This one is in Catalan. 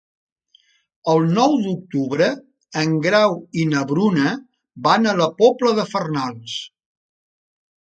El nou d'octubre en Grau i na Bruna van a la Pobla de Farnals.